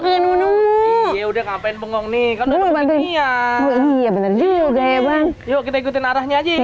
kaya nemu nemu iya udah ngapain bengong nih iya bener juga ya bang yuk kita ikutin arahnya aja